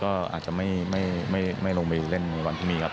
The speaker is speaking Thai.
ก็อาจจะไม่ลงไปเล่นในวันพรุ่งนี้ครับ